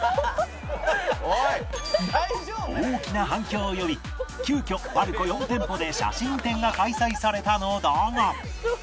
大きな反響を呼び急遽 ＰＡＲＣＯ４ 店舗で写真展が開催されたのだが